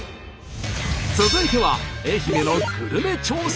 続いては愛媛のグルメ調査！